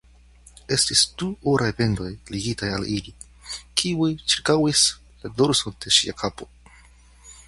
Estis du oraj bendoj ligitaj al ili, kiuj ĉirkaŭis la dorson de ŝia kapo.